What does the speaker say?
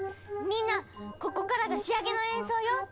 みんなここからが仕上げの演奏よ！